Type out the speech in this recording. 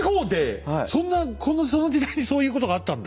そんなその時代にそういうことがあったんだ。